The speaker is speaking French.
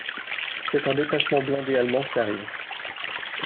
C'est un détachement blindé allemand qui arrive.